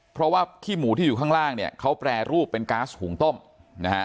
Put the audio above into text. เพราะว่าขี้หมูที่อยู่ข้างล่างเนี่ยเขาแปรรูปเป็นก๊าซหุงต้มนะฮะ